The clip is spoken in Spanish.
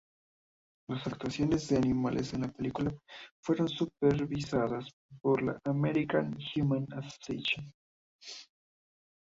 Las actuaciones de animales en la película fueron supervisadas por la "American Humane Association".